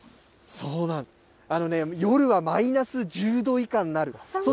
夜はマイナス１０度以下になります。